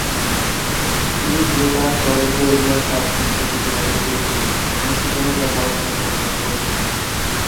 তিনি greater Toronto এরিয়ায় তাঁর শৈশব অতিবাহিত করেছিলেন এবং সেখানেই তাঁর পড়াশোনা সম্পন্ন করেছেন।